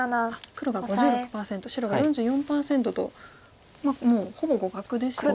黒が５６％白が４４％ともうほぼ互角ですよね。